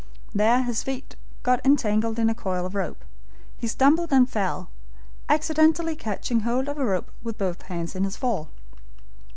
There his feet got entangled in a coil of rope. He stumbled and fell, accidentally catching hold of a rope with both hands in his fall.